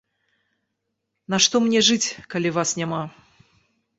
Нашто мне жыць, калі вас няма!